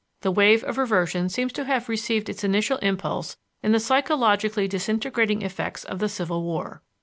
The wave of reversion seems to have received its initial impulse in the psychologically disintegrating effects of the Civil War.